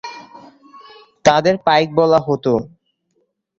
তাদের পাইক বলা হত।